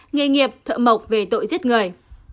nghề nghiệp thợ mộc về tội giết người